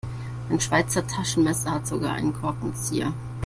Mein Schweizer Taschenmesser hat sogar einen Korkenzieher.